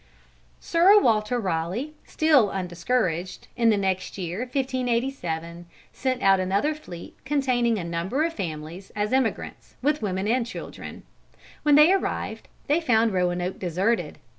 Sir Walter Raleigh, still undiscouraged, in the next year 1587 sent out another fleet containing a number of families as emigrants, with women and children. When they arrived, they found Roanoke deserted.